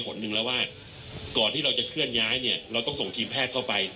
หนึ่งแล้วว่าก่อนที่เราจะเคลื่อนย้ายเนี่ยเราต้องส่งทีมแพทย์เข้าไป